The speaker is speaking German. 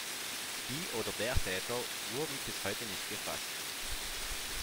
Die oder der Täter wurden bis heute nicht gefasst.